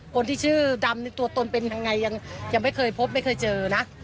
คนที่ชื่อดำนี่ตัวตนเป็นยังไงยังไม่เคยพบไม่เคยเจอนะ